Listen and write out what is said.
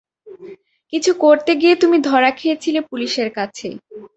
কিছু করতে গিয়ে তুমি ধরা খেয়েছিলে পুলিশের কাছে।